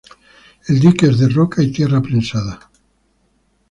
El dique es de roca y tierra prensada.